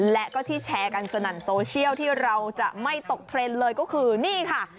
และก็ที่แชร์กันสนั่นโซเชียลที่เราจะไม่ตกเทรนด์เลยก็คือนี่ค่ะ